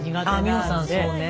美穂さんそうね。